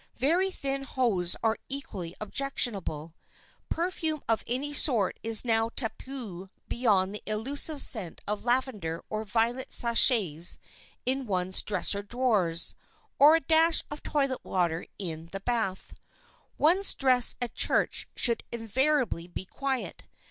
Very thin hose are equally objectionable. Perfume of any sort is now taboo beyond the elusive scent of lavender or violet sachets in one's dresser drawers, or a dash of toilet water in the bath. [Sidenote: DRESSING FOR CHURCH] One's dress at church should invariably be quiet.